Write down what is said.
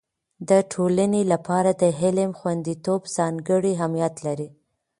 د ټولنې لپاره د علم خوندیتوب ځانګړی اهميت لري.